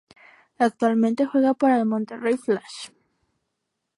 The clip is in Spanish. Actualmente juega para el Monterrey Flash.